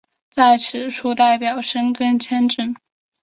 在此处代表申根签证。